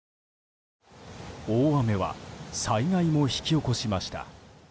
大雨は災害も引き起こしました。